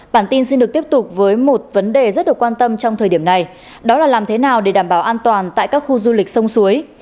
bản tin xin được tiếp tục với một vấn đề rất được quan tâm trong thời điểm này đó là làm thế nào để đảm bảo an toàn tại các khu du lịch sông suối